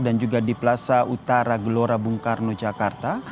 dan juga di plaza utara gelora bung karno jakarta